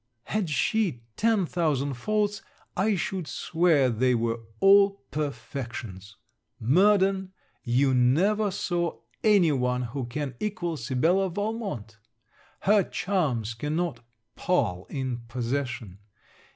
Had she ten thousand faults, I should swear they were all perfections. Murden! you never saw any one who can equal Sibella Valmont! Her charms cannot pall in possession.